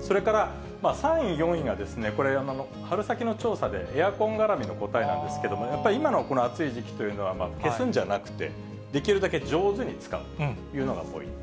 それから３位、４位が、これ、春先の調査で、エアコンがらみの答えなんですけれども、やっぱり今のこの暑い時期というのは、消すんじゃなくて、できるだけ上手に使うというのがポイント。